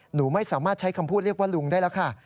หนูไม่สามารถใช้คำพูดเรียกว่าลุงได้แล้วค่ะ